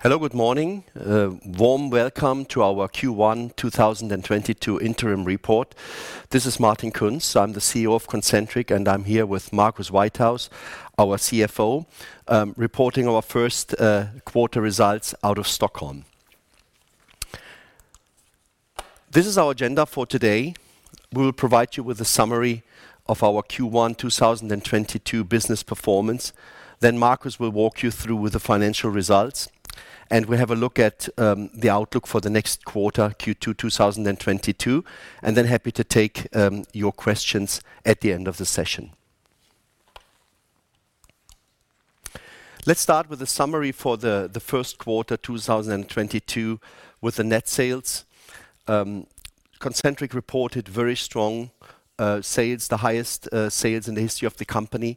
Hello, good morning. A warm welcome to our Q1 2022 interim report. This is Martin Kunz. I'm the CEO of Concentric, and I'm here with Marcus Whitehouse, our CFO, reporting our first quarter results out of Stockholm. This is our agenda for today. We will provide you with a summary of our Q1 2022 business performance. Marcus will walk you through with the financial results. And we have a look at the outlook for the next quarter, Q2 2022, and then happy to take your questions at the end of the session. Let's start with a summary for the first quarter, 2022 with the net sales. Concentric reported very strong sales, the highest sales in the history of the company.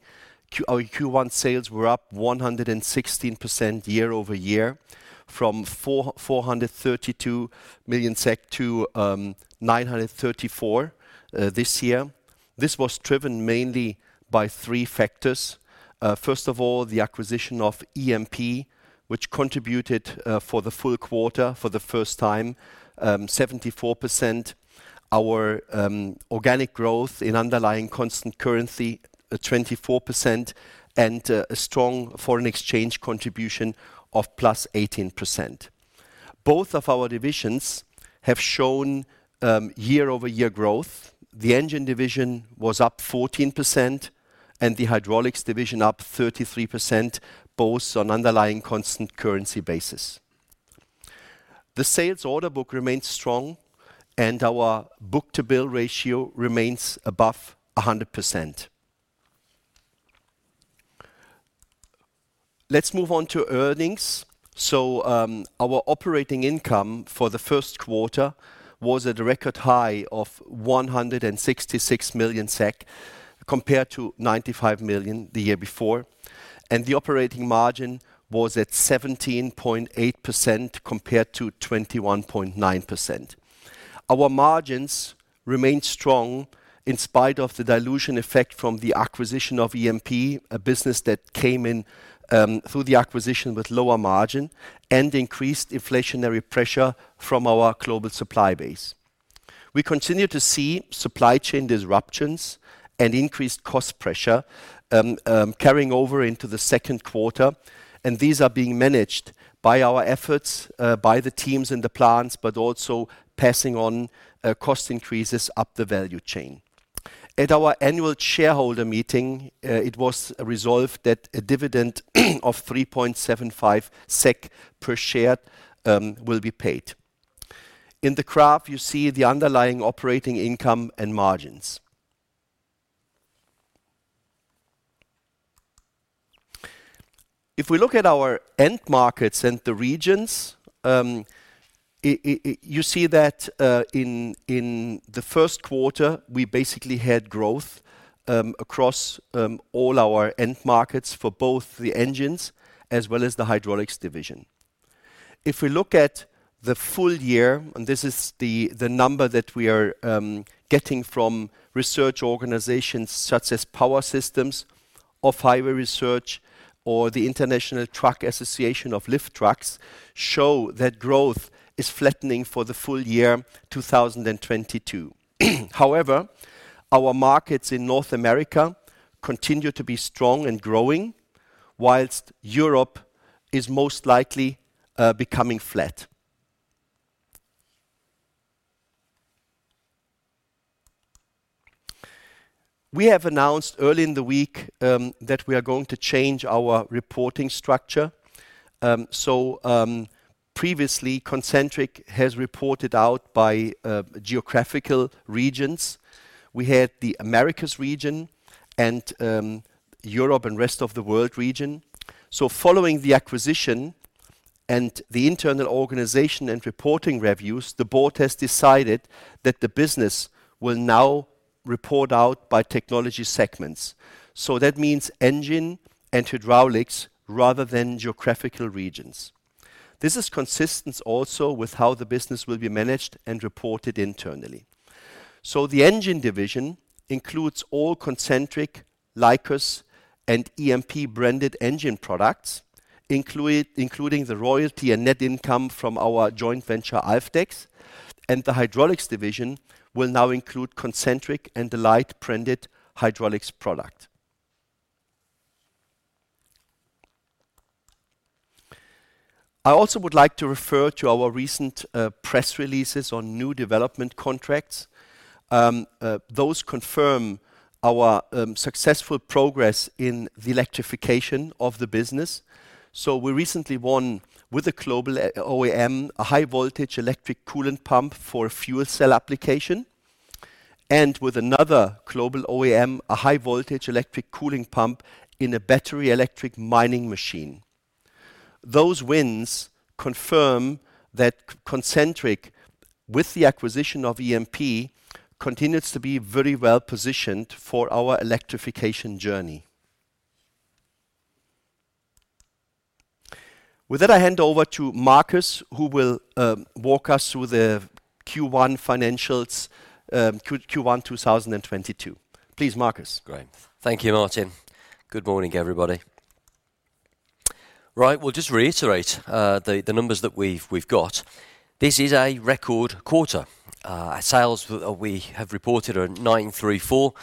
Our Q1 sales were up 116% year-over-year from 432 million SEK to 934 million this year. This was driven mainly by three factors. First of all, the acquisition of EMP, which contributed for the full quarter for the first time, 74%. Our organic growth in underlying constant currency, 24%, and a strong foreign exchange contribution of +18%. Both of our divisions have shown year-over-year growth. The Engine division was up 14% and the Hydraulics division up 33%, both on underlying constant currency basis. The sales order book remains strong, and our book-to-bill ratio remains above 100%. Let's move on to earnings. Our operating income for the first quarter was at a record high of 166 million SEK compared to 95 million SEK the year before, and the operating margin was at 17.8% compared to 21.9%. Our margins remained strong in spite of the dilution effect from the acquisition of EMP, a business that came in through the acquisition with lower margin and increased inflationary pressure from our global supply base. We continue to see supply chain disruptions and increased cost pressure carrying over into the second quarter, and these are being managed by our efforts by the teams and the plants, but also passing on cost increases up the value chain. At our annual shareholder meeting, it was resolved that a dividend of 3.75 SEK per share will be paid. In the graph, you see the underlying operating income and margins. If we look at our end markets and the regions, you see that, in the first quarter, we basically had growth, across, all our end markets for both the Engine as well as the Hydraulics division. If we look at the full year, this is the number that we are getting from research organizations such as Power Systems or [Ferra] Research or the Industrial Truck Association of Lift Trucks, show that growth is flattening for the full year 2022. However, our markets in North America continue to be strong and growing, while Europe is most likely becoming flat. We have announced early in the week that we are going to change our reporting structure. Previously, Concentric has reported out by geographical regions. We had the Americas region and Europe and Rest of the World region. Following the acquisition and the internal organization and reporting reviews, the board has decided that the business will now report out by technology segments. That means Engine and Hydraulics rather than geographical regions. This is consistent also with how the business will be managed and reported internally. The Engine division includes all Concentric, Licos, and EMP-branded engine products, including the royalty and net income from our joint venture, Alfdex. The Hydraulics division will now include Concentric and [Delight-branded] hydraulics product. I also would like to refer to our recent press releases on new development contracts. Those confirm our successful progress in the electrification of the business. We recently won with a global OEM a high voltage electric coolant pump for a fuel cell application, and with another global OEM a high voltage electric coolant pump in a battery electric mining machine. Those wins confirm that Concentric, with the acquisition of EMP, continues to be very well-positioned for our electrification journey. With that, I hand over to Marcus, who will walk us through the Q1 financials, Q1 2022. Please, Marcus. Great. Thank you, Martin. Good morning, everybody. Right. We'll just reiterate the numbers that we've got. This is a record quarter. Sales we have reported are 934,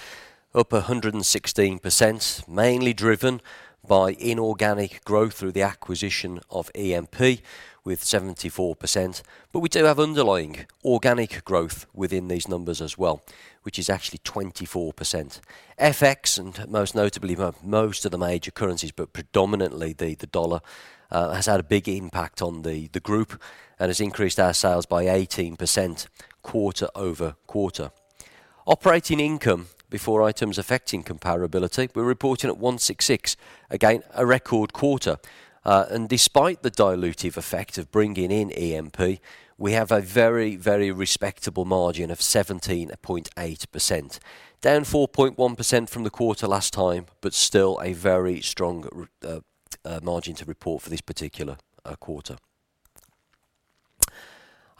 up 116%, mainly driven by inorganic growth through the acquisition of EMP with 74%. We do have underlying organic growth within these numbers as well, which is actually 24%. FX, and most notably most of the major currencies, but predominantly the dollar, has had a big impact on the group and has increased our sales by 18% quarter-over-quarter. Operating income before items affecting comparability, we're reporting at 166. Again, a record quarter. Despite the dilutive effect of bringing in EMP, we have a very, very respectable margin of 17.8%, down 4.1% from the quarter last time, but still a very strong margin to report for this particular quarter.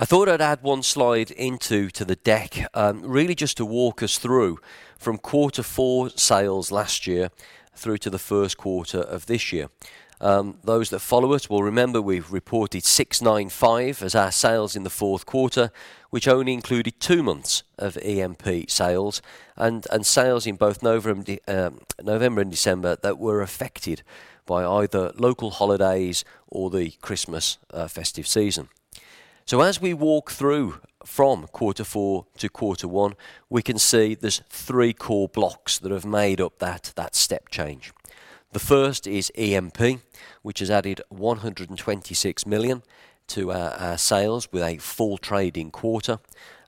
I thought I'd add one slide into the deck, really just to walk us through from quarter four sales last year through to the first quarter of this year. Those that follow us will remember we've reported 695 million as our sales in the fourth quarter, which only included two months of EMP sales and sales in both November and December that were affected by either local holidays or the Christmas festive season. As we walk through from quarter four to quarter one, we can see there's three core blocks that have made up that step change. The first is EMP, which has added 126 million to our sales with a full trading quarter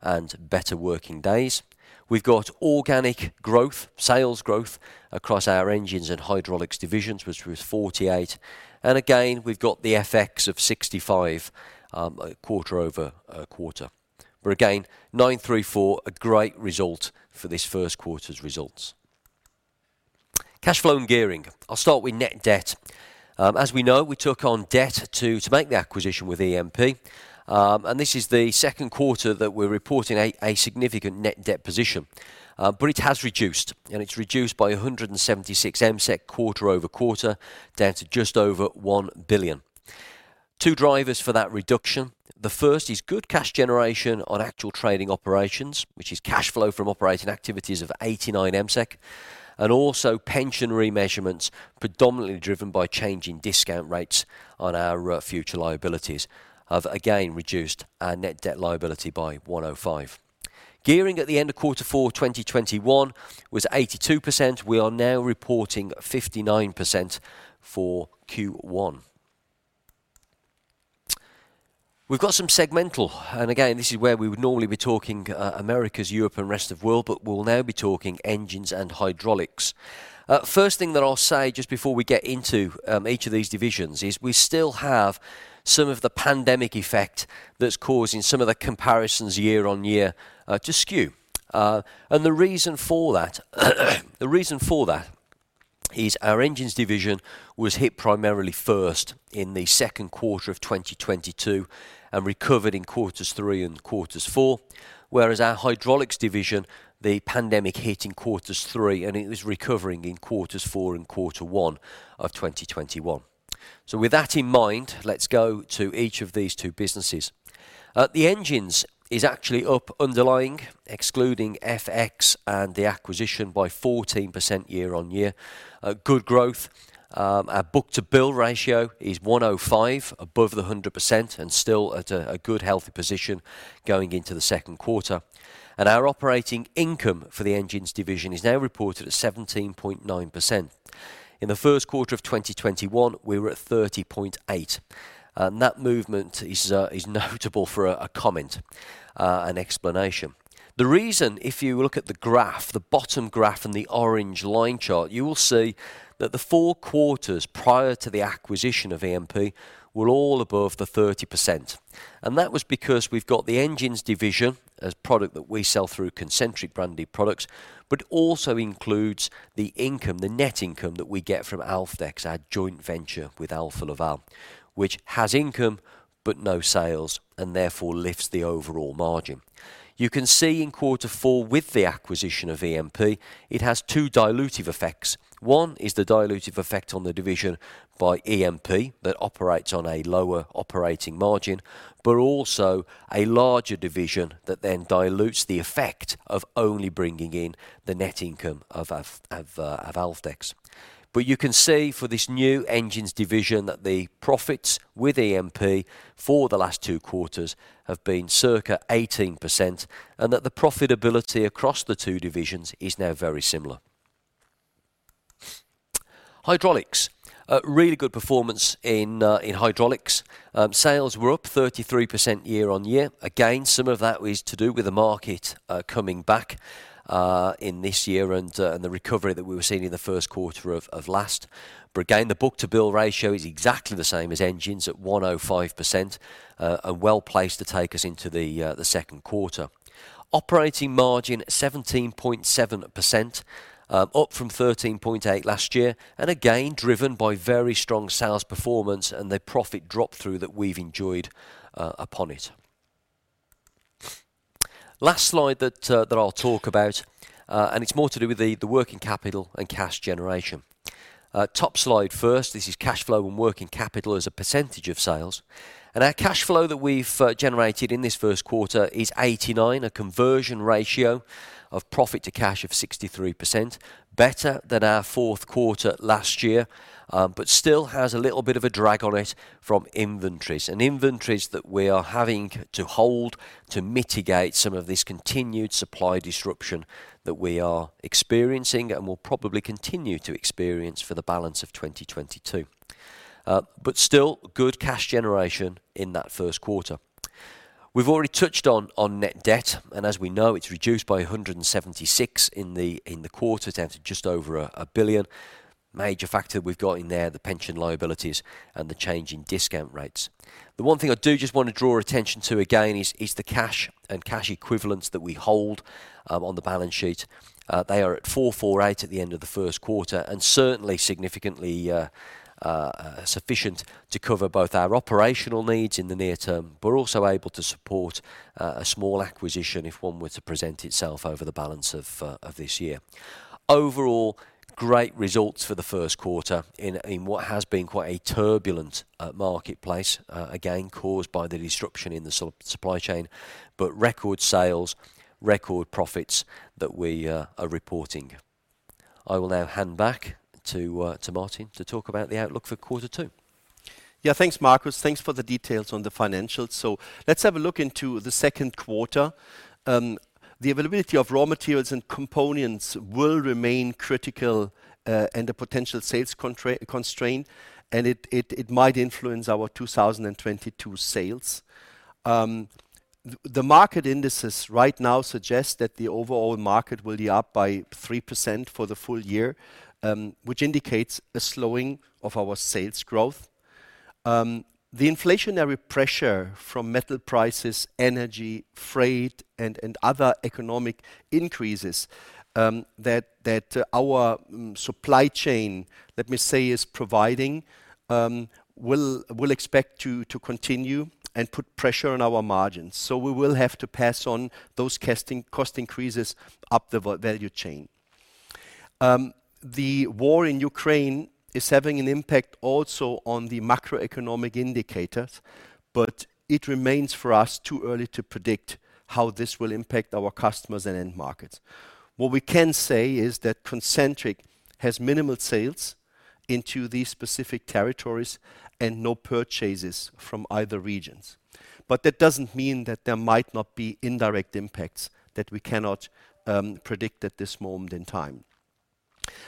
and better working days. We've got organic growth, sales growth across our engines and hydraulics divisions, which was 48 million, and again, we've got the FX of 65 million quarter over quarter. Again, 934, a great result for this first quarter's results. Cash flow and gearing. I'll start with net debt. As we know, we took on debt to make the acquisition with EMP, and this is the second quarter that we're reporting a significant net debt position. It has reduced, and it's reduced by 176 million quarter-over-quarter, down to just over 1 billion. Two drivers for that reduction. The first is good cash generation on actual trading operations, which is cash flow from operating activities of 89 million, and also pension remeasurements predominantly driven by changing discount rates on our future liabilities have again reduced our net debt liability by 105 million. Gearing at the end of Q4 2021 was 82%. We are now reporting 59% for Q1. We've got some segmental, and again, this is where we would normally be talking Americas, Europe, and rest of world, but we'll now be talking engines and hydraulics. First thing that I'll say just before we get into each of these divisions is we still have some of the pandemic effect that's causing some of the comparisons year-on-year to skew. The reason for that is our Engine division was hit primarily first in the second quarter of 2022 and recovered in quarters three and quarters four. Whereas our Hydraulics division, the pandemic hit in quarters three, and it was recovering in quarters four and quarter one of 2021. With that in mind, let's go to each of these two businesses. The Engine division is actually up underlying, excluding FX and the acquisition by 14% year-on-year. Good growth. Our book-to-bill ratio is 105% above the 100% and still at a good healthy position going into the second quarter. Our operating income for the Engine division is now reported at 17.9%. In the first quarter of 2021, we were at 30.8, and that movement is notable for a comment, an explanation. The reason, if you look at the graph, the bottom graph and the orange line chart, you will see that the four quarters prior to the acquisition of EMP were all above the 30%, and that was because we've got the Engine division as products that we sell through Concentric branded products but also includes the income, the net income that we get from Alfdex, our joint venture with Alfa Laval, which has income but no sales and therefore lifts the overall margin. You can see in quarter four with the acquisition of EMP, it has two dilutive effects. One is the dilutive effect on the division by EMP that operates on a lower operating margin, but also a larger division that then dilutes the effect of only bringing in the net income of Alfdex. You can see for this new Engine division that the profits with EMP for the last two quarters have been circa 18%, and that the profitability across the two divisions is now very similar. Hydraulics. A really good performance in hydraulics. Sales were up 33% year-on-year. Again, some of that is to do with the market coming back in this year and the recovery that we were seeing in the first quarter of last. The book-to-bill ratio is exactly the same as engines at 105%, and well-placed to take us into the second quarter. Operating margin 17.7%, up from 13.8% last year, and again driven by very strong sales performance and the profit drop-through that we've enjoyed upon it. Last slide that I'll talk about, and it's more to do with the working capital and cash generation. Top slide first, this is cash flow and working capital as a percentage of sales. Our cash flow that we've generated in this first quarter is 89, a conversion ratio of profit to cash of 63%, better than our fourth quarter last year, but still has a little bit of a drag on it from inventories, and inventories that we are having to hold to mitigate some of this continued supply disruption that we are experiencing and will probably continue to experience for the balance of 2022. Still good cash generation in that first quarter. We've already touched on net debt, and as we know, it's reduced by 176 in the quarter, down to just over 1 billion. Major factor we've got in there, the pension liabilities and the change in discount rates. The one thing I do just wanna draw attention to again is the cash and cash equivalents that we hold on the balance sheet. They are at 448 at the end of the first quarter, and certainly significantly sufficient to cover both our operational needs in the near term. We're also able to support a small acquisition if one were to present itself over the balance of this year. Overall, great results for the first quarter in what has been quite a turbulent marketplace, again, caused by the disruption in the supply chain. Record sales, record profits that we are reporting. I will now hand back to Martin to talk about the outlook for quarter two. Yeah, thanks, Marcus. Thanks for the details on the financials. Let's have a look into the second quarter. The availability of raw materials and components will remain critical, and a potential sales constraint, and it might influence our 2022 sales. The market indices right now suggest that the overall market will be up by 3% for the full year, which indicates a slowing of our sales growth. The inflationary pressure from metal prices, energy, freight, and other economic increases that our supply chain, let me say, is providing. We'll expect to continue and put pressure on our margins. We will have to pass on those cost increases up the value chain. The war in Ukraine is having an impact also on the macroeconomic indicators, but it remains too early for us to predict how this will impact our customers and end markets. What we can say is that Concentric has minimal sales into these specific territories and no purchases from these regions. That doesn't mean that there might not be indirect impacts that we cannot predict at this moment in time.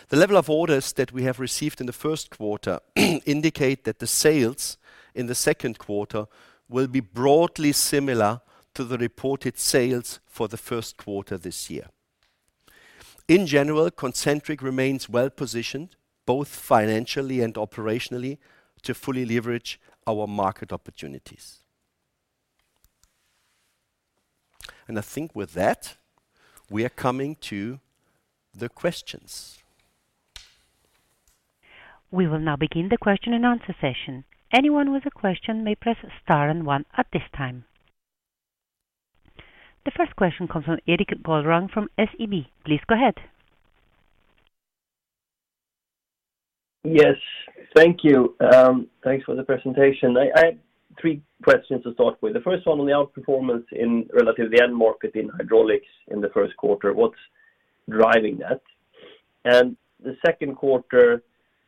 The level of orders that we have received in the first quarter indicates that the sales in the second quarter will be broadly similar to the reported sales for the first quarter this year. In general, Concentric remains well positioned, both financially and operationally, to fully leverage our market opportunities. I think with that, we are coming to the questions. We will now begin the question and answer session. Anyone with a question may press star and one at this time. The first question comes from Erik Golrang from SEB. Please go ahead. Yes. Thank you. Thanks for the presentation. I have three questions to start with. The first one on the outperformance relative to the end market in hydraulics in the first quarter. What's driving that? The second quarter,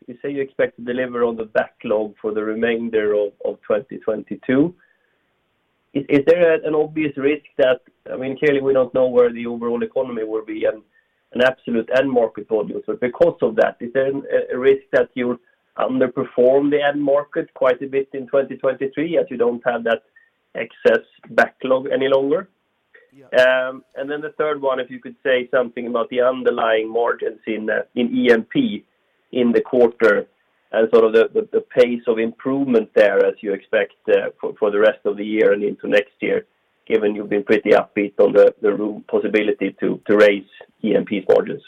you say you expect to deliver on the backlog for the remainder of 2022. Is there an obvious risk that I mean, clearly, we don't know where the overall economy will be and an absolute end market volume. Because of that, is there a risk that you underperform the end market quite a bit in 2023, as you don't have that excess backlog any longer? Yeah. The third one, if you could say something about the underlying margins in EMP in the quarter and sort of the pace of improvement there as you expect for the rest of the year and into next year, given you've been pretty upbeat on the room possibility to raise EMP margins?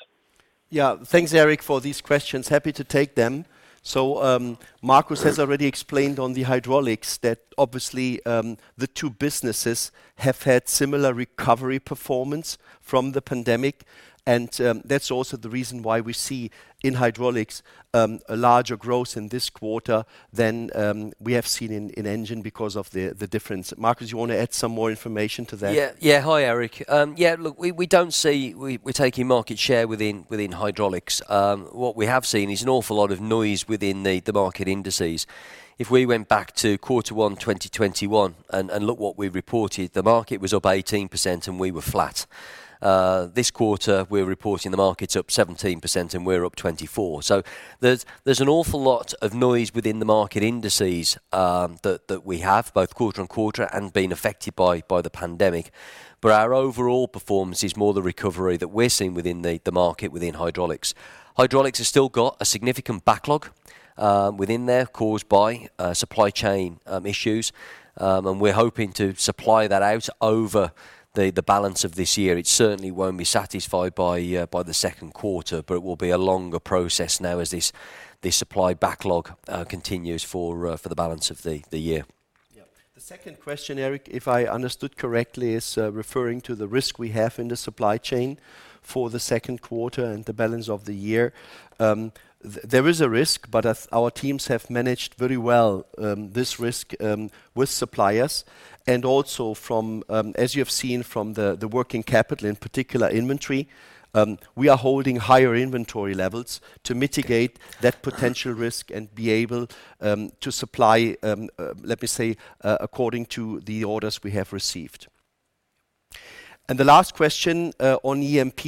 Yeah. Thanks, Erik, for these questions. Happy to take them. Marcus has already explained on the Hydraulics that obviously, the two businesses have had similar recovery performance from the pandemic, and, that's also the reason why we see in Hydraulics, a larger growth in this quarter than, we have seen in Engine because of the difference. Marcus, you wanna add some more information to that? Yeah. Hi, Erik. Yeah, look, we don't see we're taking market share within Hydraulics. What we have seen is an awful lot of noise within the market indices. If we went back to quarter one, 2021 and look what we reported, the market was up 18%, and we were flat. This quarter, we're reporting the market's up 17%, and we're up 24%. There's an awful lot of noise within the market indices that we have, both quarter-on-quarter and being affected by the pandemic. Our overall performance is more the recovery that we're seeing within the market within Hydraulics. Hydraulics has still got a significant backlog within there caused by supply chain issues. We're hoping to supply that out over the balance of this year. It certainly won't be satisfied by the second quarter, but it will be a longer process now as this supply backlog continues for the balance of the year. The second question, Erik, if I understood correctly, is referring to the risk we have in the supply chain for the second quarter and the balance of the year. There is a risk, but as our teams have managed very well this risk with suppliers and also from, as you have seen from the working capital, in particular inventory, we are holding higher inventory levels to mitigate that potential risk and be able to supply, let me say, according to the orders we have received. The last question on EMP,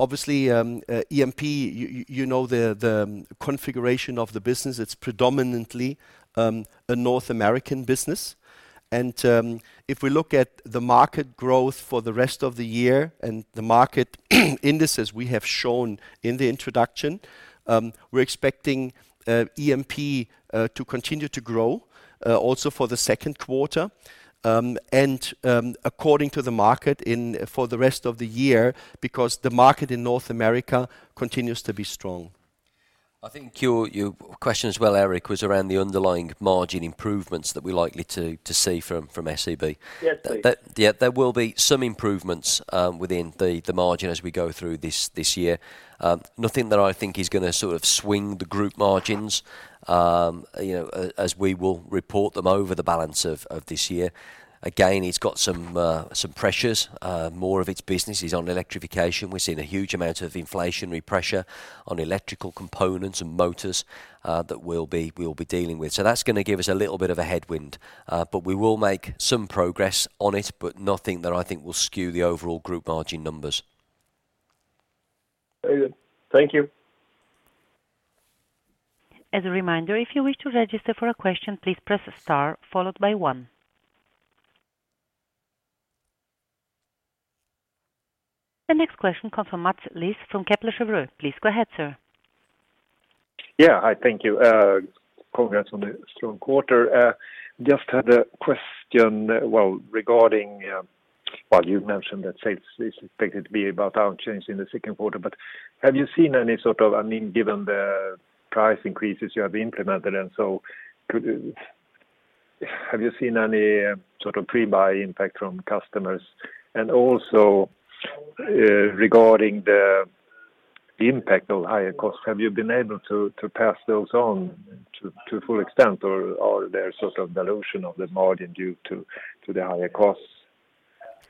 obviously, EMP, you know, the configuration of the business, it's predominantly a North American business. If we look at the market growth for the rest of the year and the market indices we have shown in the introduction, we're expecting EMP to continue to grow also for the second quarter and according to the market for the rest of the year because the market in North America continues to be strong. I think your question as well, Erik, was around the underlying margin improvements that we're likely to see from SEB. Yes, please. Yeah, there will be some improvements within the margin as we go through this year. Nothing that I think is gonna sort of swing the group margins, you know, as we will report them over the balance of this year. Again, it's got some pressures. More of its business is on electrification. We're seeing a huge amount of inflationary pressure on electrical components and motors that we'll be dealing with. That's gonna give us a little bit of a headwind, but we will make some progress on it, but nothing that I think will skew the overall group margin numbers. Very good. Thank you. As a reminder, if you wish to register for a question, please press star followed by one. The next question comes from Mats Liss from Kepler Cheuvreux. Please go ahead, sir. Yeah. Hi, thank you. Congrats on the strong quarter. Just had a question regarding you've mentioned that sales is expected to be about unchanged in the second quarter. Have you seen any sort of? I mean, given the price increases you have implemented, have you seen any sort of pre-buy impact from customers? Also, regarding the impact of higher costs, have you been able to pass those on to full extent or are there sort of dilution of the margin due to the higher costs?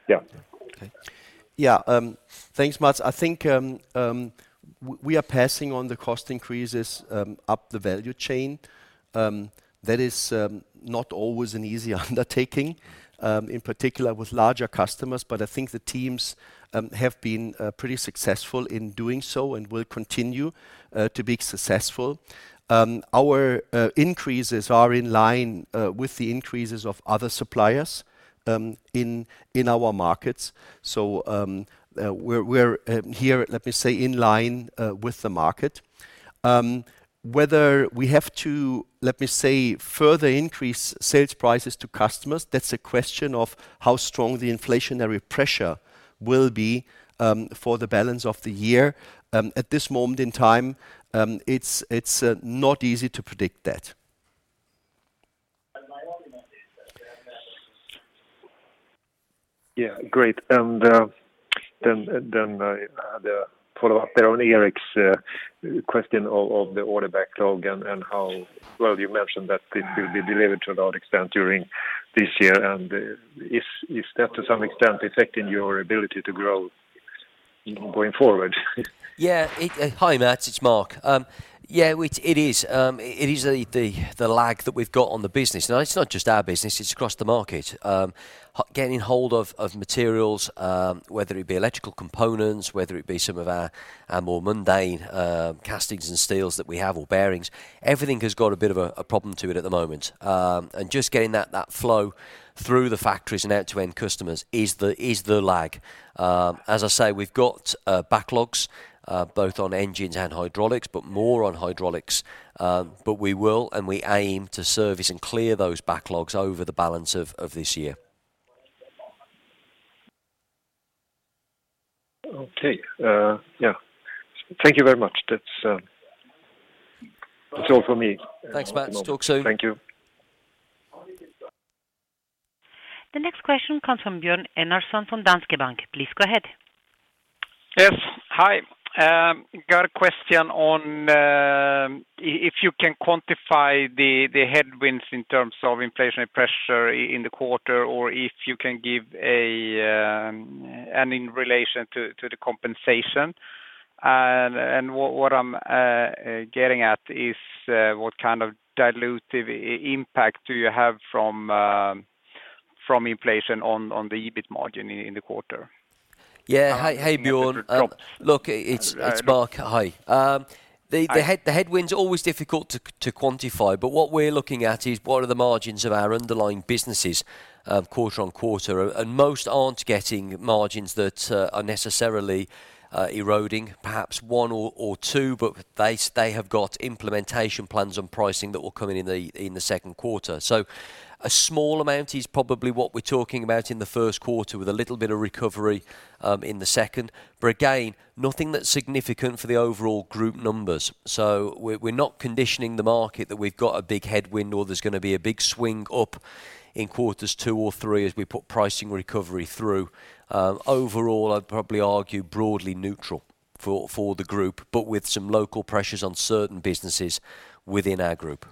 Yeah. Okay. Yeah. Thanks, Mats. I think we are passing on the cost increases up the value chain. That is not always an easy undertaking, in particular with larger customers, but I think the teams have been pretty successful in doing so and will continue to be successful. Our increases are in line with the increases of other suppliers in our markets. We're here, let me say, in line with the market. Whether we have to, let me say, further increase sales prices to customers, that's a question of how strong the inflationary pressure will be for the balance of the year. At this moment in time, it's not easy to predict that. Yeah. Great. The follow-up there on Erik's question of the order backlog. Well, you mentioned that this will be delivered to a large extent during this year. Is that to some extent affecting your ability to grow going forward? Yeah. Hi, Mats. It's Marc. Yeah. Which it is. It is the lag that we've got on the business. Now, it's not just our business, it's across the market. Getting hold of materials, whether it be electrical components, whether it be some of our more mundane castings and steels that we have or bearings. Everything has got a bit of a problem to it at the moment. Just getting that flow through the factories and out to end customers is the lag. As I say, we've got backlogs both on engines and hydraulics, but more on hydraulics. We will and we aim to service and clear those backlogs over the balance of this year. Okay. Yeah. Thank you very much. That's all for me. Thanks, Mats. Talk soon. Thank you. The next question comes from Björn Enarson from Danske Bank. Please go ahead. Yes. Hi. Got a question on if you can quantify the headwinds in terms of inflationary pressure in the quarter or if you can give a and in relation to the compensation. What I'm getting at is what kind of dilutive impact do you have from inflation on the EBITDA margin in the quarter? Yeah. Hey, Björn. The different jobs. Look, it's Marc. Hi. Hi. The headwinds are always difficult to quantify, but what we're looking at is what are the margins of our underlying businesses quarter-over-quarter. Most aren't getting margins that are necessarily eroding, perhaps one or two. They have got implementation plans on pricing that will come in the second quarter. A small amount is probably what we're talking about in the first quarter with a little bit of recovery in the second. Again, nothing that's significant for the overall group numbers. We're not conditioning the market that we've got a big headwind or there's gonna be a big swing up in quarters two or three as we put pricing recovery through. Overall, I'd probably argue broadly neutral for the group, but with some local pressures on certain businesses within our group.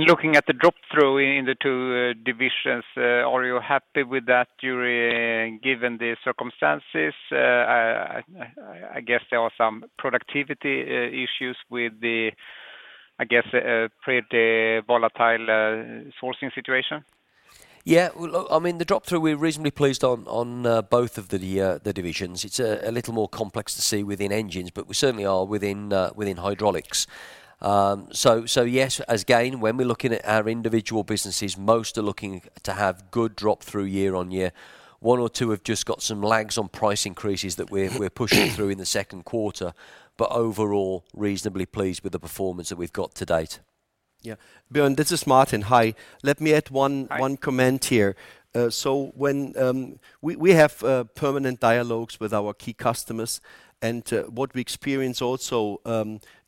Looking at the drop-through in the two divisions, are you happy with that given the circumstances? I guess there are some productivity issues with the, I guess, pretty volatile sourcing situation. Yeah. Well, look, I mean, the drop-through, we're reasonably pleased on both of the divisions. It's a little more complex to see within Engines, but we certainly are within Hydraulics. So, yes, again, when we're looking at our individual businesses, most are looking to have good drop-through year-on-year. One or two have just got some lags on price increases that we're pushing through in the second quarter. Overall, reasonably pleased with the performance that we've got to date. Yeah. Björn, this is Martin. Hi. Let me add one. Hi One comment here. We have permanent dialogues with our key customers and what we experience also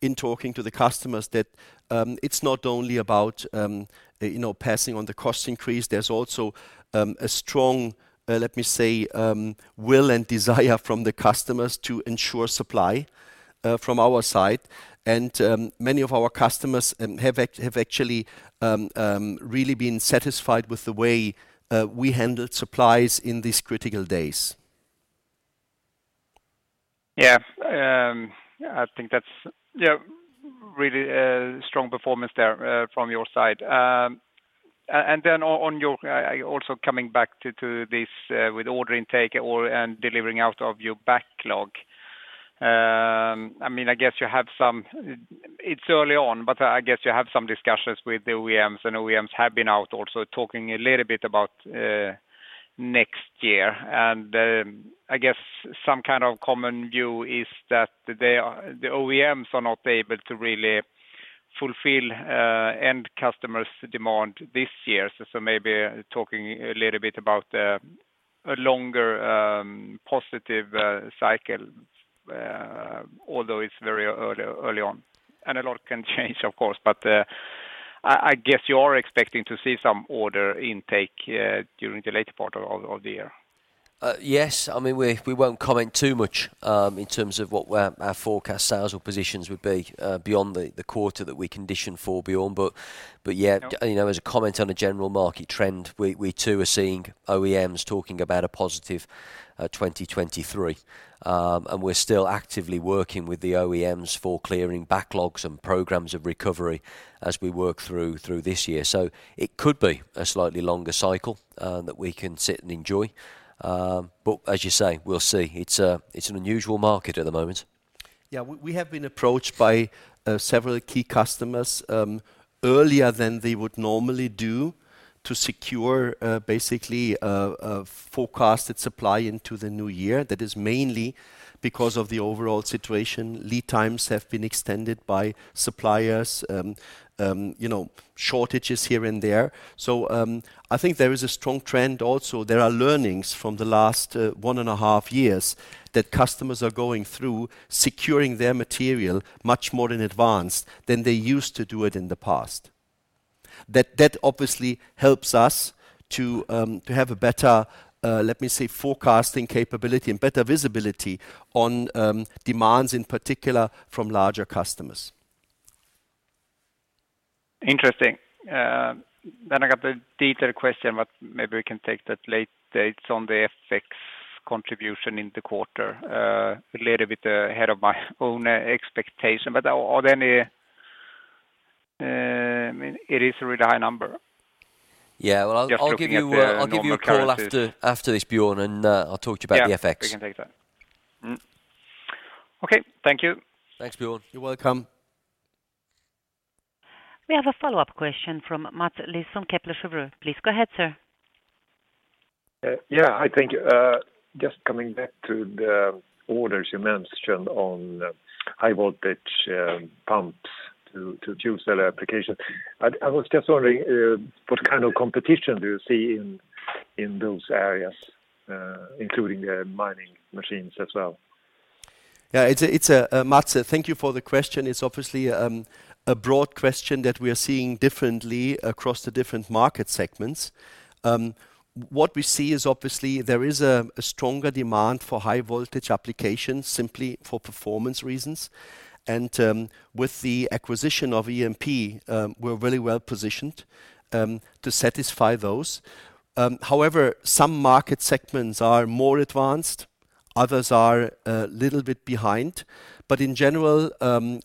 in talking to the customers that it's not only about you know passing on the cost increase. There's also a strong let me say will and desire from the customers to ensure supply from our side. Many of our customers have actually really been satisfied with the way we handled supplies in these critical days. Yeah. I think that's, you know, really strong performance there from your side. And then also coming back to this with order intake and delivering out of your backlog. I mean, I guess you have some. It's early on, but I guess you have some discussions with the OEMs, and OEMs have been out also talking a little bit about next year. I guess some kind of common view is that they are the OEMs are not able to really fulfill end customers' demand this year. Maybe talking a little bit about a longer positive cycle although it's very early on, and a lot can change, of course. I guess you're expecting to see some order intake during the later part of the year. I mean, we won't comment too much in terms of what our forecast sales or positions would be beyond the quarter that we conditioned for, Björn. Yet, you know, as a comment on a general market trend, we too are seeing OEMs talking about a positive 2023. We're still actively working with the OEMs for clearing backlogs and programs of recovery as we work through this year. It could be a slightly longer cycle that we can sit and enjoy. As you say, we'll see. It's an unusual market at the moment. Yeah. We have been approached by several key customers earlier than they would normally do to secure basically a forecasted supply into the new year. That is mainly because of the overall situation. Lead times have been extended by suppliers, you know, shortages here and there. I think there is a strong trend also. There are learnings from the last 1.5 Years that customers are going through securing their material much more in advance than they used to do it in the past. That obviously helps us to have a better let me say forecasting capability and better visibility on demands in particular from larger customers. Interesting. I got a detailed question, but maybe we can take that late. It's on the FX contribution in the quarter. A little bit ahead of my own expectation. Are there any? It is a really high number. Yeah. Well, I'll give you Just looking at the normal characteristics. I'll give you a call after this, Björn, and I'll talk to you about the FX. Yeah. We can take that. Okay. Thank you. Thanks, Björn. You're welcome. We have a follow-up question from Mats Liss, Kepler Cheuvreux. Please go ahead, sir. Yeah. Hi. Thank you. Just coming back to the orders you mentioned on high voltage pumps to fuel cell application. I was just wondering what kind of competition do you see in those areas, including the mining machines as well? Mats, thank you for the question. It's obviously a broad question that we are seeing differently across the different market segments. What we see is obviously there is a stronger demand for high voltage applications simply for performance reasons. With the acquisition of EMP, we're really well positioned to satisfy those. However, some market segments are more advanced, others are a little bit behind. In general,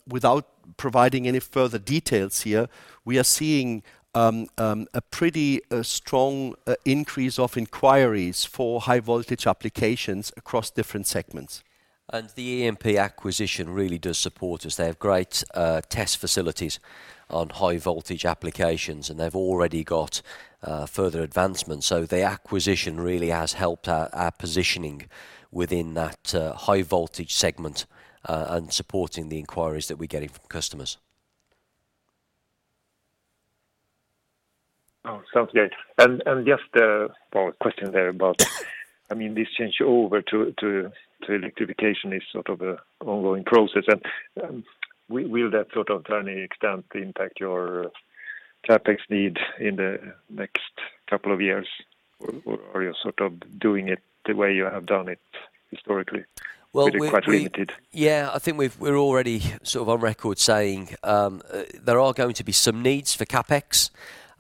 without providing any further details here, we are seeing a pretty strong increase of inquiries for high voltage applications across different segments. The EMP acquisition really does support us. They have great test facilities on high voltage applications, and they've already got further advancements. The acquisition really has helped our positioning within that high voltage segment, and supporting the inquiries that we're getting from customers. Oh, sounds good. Just a follow-up question there about, I mean, this change over to electrification is sort of an ongoing process. Will that sort of, to any extent, impact your CapEx need in the next couple of years or you're sort of doing it the way you have done it historically? Well, we With quite limited. Yeah. I think we're already sort of on record saying there are going to be some needs for CapEx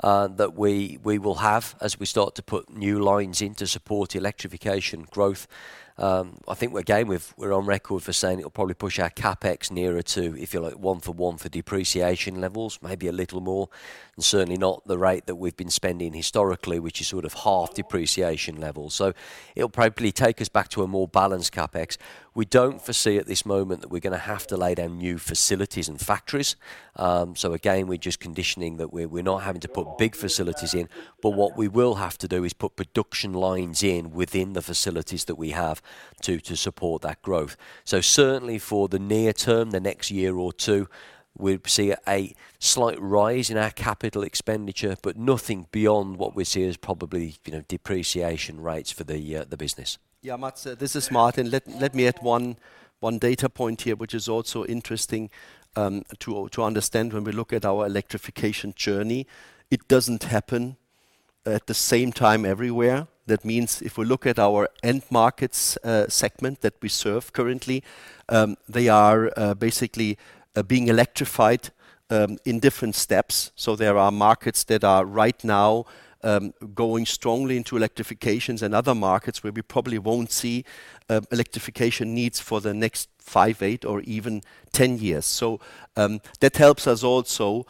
that we will have as we start to put new lines in to support electrification growth. I think again we're on record for saying it will probably push our CapEx nearer to, if you like, one-for-one for depreciation levels, maybe a little more, and certainly not the rate that we've been spending historically, which is sort of half depreciation levels. It'll probably take us back to a more balanced CapEx. We don't foresee at this moment that we're gonna have to lay down new facilities and factories. Again, we're just conditioning that we're not having to put big facilities in, but what we will have to do is put production lines in within the facilities that we have to support that growth. Certainly for the near term, the next year or two, we'd see a slight rise in our capital expenditure, but nothing beyond what we see as probably, you know, depreciation rates for the business. Yeah, Mats, this is Martin. Let me add one data point here, which is also interesting to understand when we look at our electrification journey. It doesn't happen at the same time everywhere. That means if we look at our end markets segment that we serve currently, they are basically being electrified in different steps. That helps us also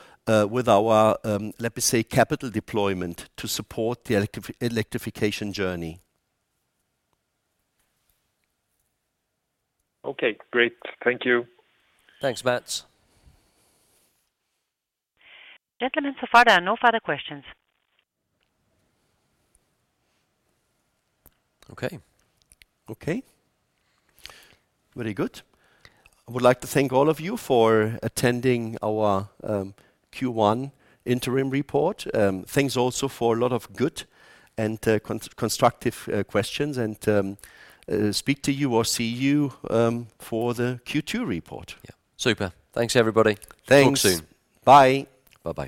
with our let me say, capital deployment to support the electrification journey. Okay. Great. Thank you. Thanks, Mats. Gentlemen, so far there are no further questions. Okay. Okay. Very good. I would like to thank all of you for attending our Q1 interim report. Thanks also for a lot of good and constructive questions and speak to you or see you for the Q2 report. Yeah. Super. Thanks, everybody. Thanks. Talk soon. Bye. Bye-bye.